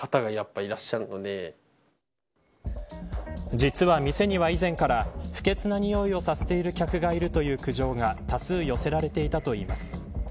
実は店には以前から不潔な臭いをさせている客がいるという苦情が多数寄せられていたといいます。